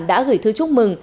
đã gửi thư chúc mừng